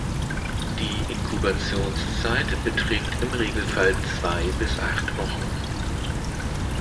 Die Inkubationszeit beträgt im Regelfall zwei bis acht Wochen.